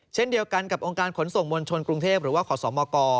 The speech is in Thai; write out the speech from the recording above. เช่นเดียวกันกับองค์การขนส่งมวลชนกรุงเทพหรือว่าขอสมก